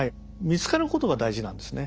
見つかることが大事なんですね。